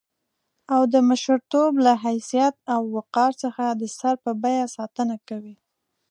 او د مشرتوب له حيثيت او وقار څخه د سر په بيه ساتنه کوي.